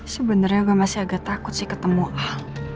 sebenarnya gue masih agak takut sih ketemu ah